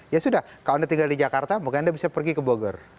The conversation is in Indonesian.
ya sudah kalau anda tinggal di jakarta mungkin anda bisa pergi ke bogor